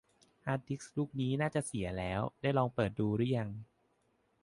ฮาร์ดดิสก์ลูกนี้น่าจะเสียแล้ว ได้ลองเปิดดูรึยัง